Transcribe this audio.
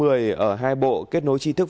ở hai bộ kết nối chi thức